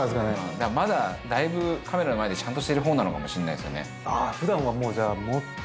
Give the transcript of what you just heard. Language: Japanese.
だからまだだいぶカメラの前でちゃんとしてる方なのかもしれないですよね。